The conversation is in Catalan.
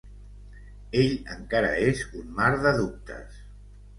Ell encara és un mar de dubtes.